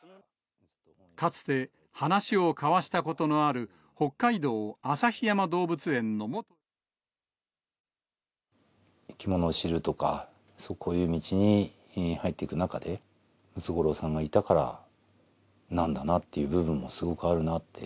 かつて話を交わしたことのあ生き物を知るとか、こういう道に入っていく中で、ムツゴロウさんがいたからなんだなっていう部分もすごくあるなって。